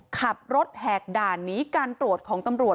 แหกด่านหนีการตรวจของตำรวจ